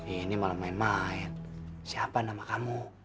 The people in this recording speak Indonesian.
ini malah main main siapa nama kamu